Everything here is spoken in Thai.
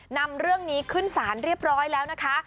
นำเรื่องนี้ขึ้นสารเรียบร้อยแล้วนะคะ